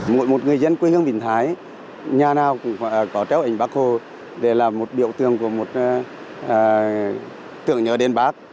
mỗi một người dân quê hương vĩnh thái nhà nào cũng có treo ảnh bác hồ để làm biểu tượng của một tượng nhớ đền bác